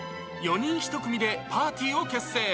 ４人１組でパーティを結成。